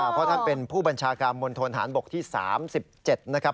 เพราะท่านเป็นผู้บัญชาการมณฑนฐานบกที่๓๗นะครับ